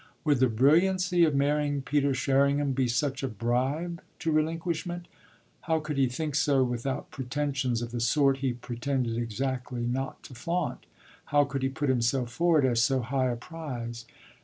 Would the brilliancy of marrying Peter Sherringham be such a bribe to relinquishment? How could he think so without pretensions of the sort he pretended exactly not to flaunt? how could he put himself forward as so high a prize?